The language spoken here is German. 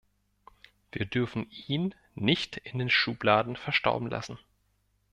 Wir dürfen ihn nicht in den Schubladen verstauben lassen.